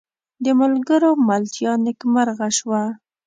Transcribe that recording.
د ملګرو ملتیا نیکمرغه شوه.